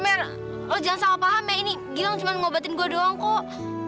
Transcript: eh mer mer lo jangan salah paham ya ini gila cuma ngobatin gue doang kok